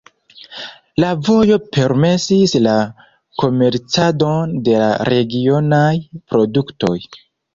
La vojo permesis la komercadon de la regionaj produktoj.